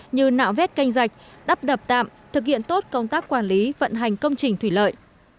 như nạo vét canh rạch đắp đập tạm thực hiện tốt công tác quản lý vận hành công trình thủy lợi